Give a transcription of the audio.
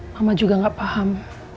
mama juga gak paham